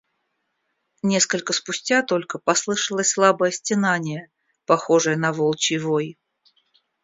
Несколько спустя только послышалось слабое стенание, похожее на волчий вой.